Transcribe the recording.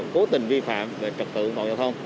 cố tình vi phạm về trật tự toàn giao thông